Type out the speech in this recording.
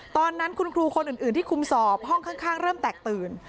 ตอนนั้นคุณครูคนอื่นที่คุมสอบห้องข้างเริ่มแตกตื่น